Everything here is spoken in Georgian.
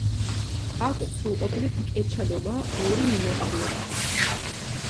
აქვს სრულყოფილი ტკეჩადობა ორი მიმართულებით.